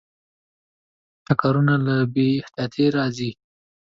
ټکرونه له بې احتیاطۍ راځي.